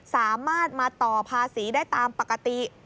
สามารถมาต่อภาษีได้ตามปกติ